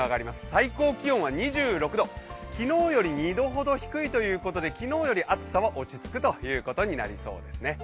最高気温は２６度昨日より２度ほど低いということで昨日より暑さは落ち着くということになりそうですね。